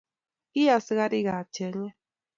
ki asakarik ab chenget